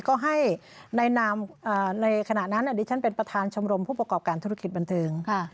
ก็ให้ในนามในขณะนั้นดิฉันเป็นประธานชมรมผู้ประกอบการธุรกิจบันเทิง